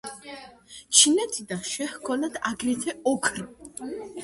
ჩინეთიდან შეჰქონდათ აგრეთვე ოქრო.